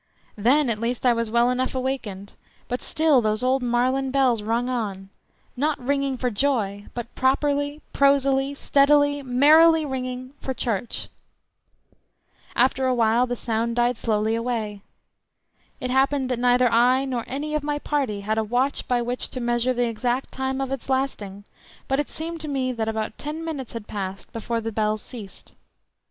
Then at least I was well enough wakened, but still those old Marlen bells rung on, not ringing for joy, but properly, prosily, steadily, merrily ringing "for church." After a while the sound died away slowly. It happened that neither I nor any of my party had a watch by which to measure the exact time of its lasting, but it seemed to me that about ten minutes had passed before the bells ceased.